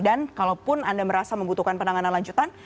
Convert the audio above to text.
dan kalau pun anda merasa membutuhkan penanganan lanjutan